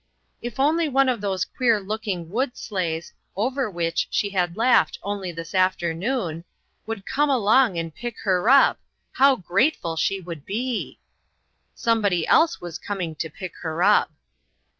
If only one of those queer looking wood sleighs, over which she had laughed only this afternoon, would 142 INTERRUPTED. come along and pick her up, how grateful she would be ! Somebody else was coming to pick her up.